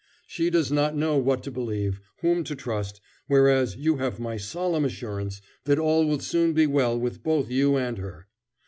She does not know what to believe, whom to trust, whereas you have my solemn assurance that all will soon be well with both you and her.